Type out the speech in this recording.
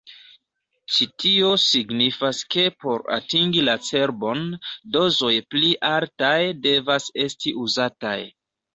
Ĉi-tio signifas ke por atingi la cerbon, dozoj pli altaj devas esti uzataj.